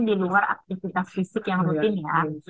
di luar aktivitas fisik yang rutin ya